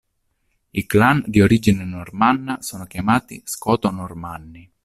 I clan di origine normanna sono chiamati scoto-normanni.